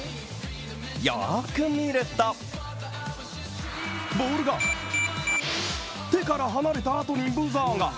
よーく見るとボールが手から離れたあとにブザーが。